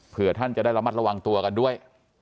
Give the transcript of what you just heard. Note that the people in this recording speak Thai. เพื่อท่านจะได้ระมัดระวังตัวกันด้วย